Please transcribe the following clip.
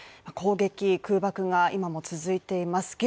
攻撃、空爆が今も続いています。